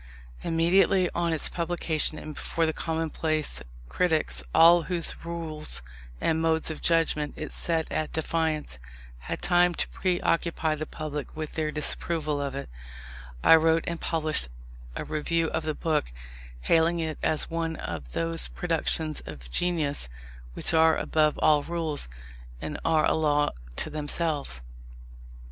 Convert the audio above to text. Immediately on its publication, and before the commonplace critics, all whose rules and modes of judgment it set at defiance, had time to pre occupy the public with their disapproval of it, I wrote and published a review of the book, hailing it as one of those productions of genius which are above all rules, and are a law to themselves.